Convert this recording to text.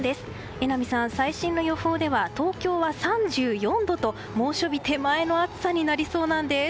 榎並さん、最新の予報では東京は３４度と猛暑日手前の暑さになりそうです。